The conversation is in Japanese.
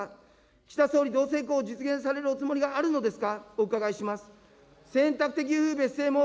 岸田総理、同性婚を実現されるおつもりがあるのですか。